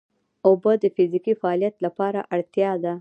اوبه د فزیکي فعالیت لپاره اړتیا ده